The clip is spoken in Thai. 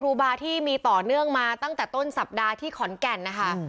ครูบาที่มีต่อเนื่องมาตั้งแต่ต้นสัปดาห์ที่ขอนแก่นนะคะ